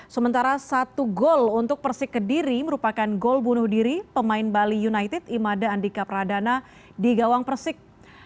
sementara satu gol untuk persik kediri merupakan gol bunuh diri pemain bali united imada andika pradana di gawang persik